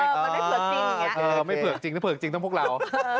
เออมันไม่เผือกจริงถ้าเผือกจริงต้องพวกเรา